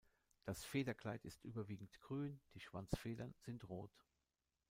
Das Federkleid ist überwiegend grün, die Schwanzfedern sind rot.